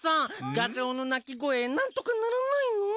ガチャオの鳴き声なんとかならないの？